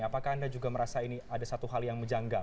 apakah anda juga merasa ini ada satu hal yang menjanggal